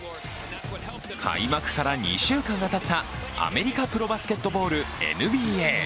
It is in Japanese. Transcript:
開幕から２週間がたったアメリカプロバスケットボールＮＢＡ。